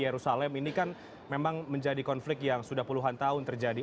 yerusalem ini kan memang menjadi konflik yang sudah puluhan tahun terjadi